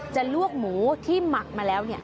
ลวกหมูที่หมักมาแล้ว